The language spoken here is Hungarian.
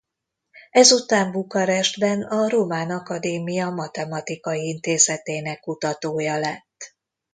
Ezután Bukarestben a Román Akadémia Matematikai Intézetének kutatója lett.